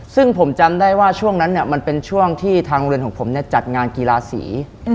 ซึ่งผมจำได้ว่าช่วงนั้นมันเป็นช่วงที่ทางโรงเรียนของผมจัดงานกีฬาสี